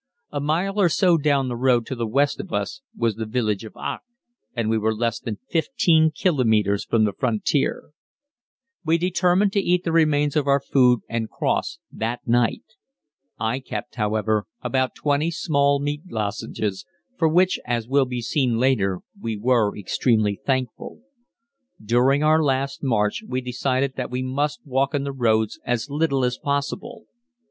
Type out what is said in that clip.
A mile or so down the road to the west of us was the village of Aach, and we were less than 15 kilometres from the frontier. We determined to eat the remains of our food and cross that night. I kept, however, about twenty small meat lozenges, for which, as will be seen later on, we were extremely thankful. During our last march we decided that we must walk on the roads as little as possible.